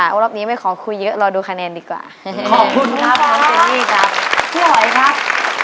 รอบนี้ไม่ขอคุยเยอะรอดูคะแนนดีกว่าขอบคุณครับนี่ครับพี่หอยครับ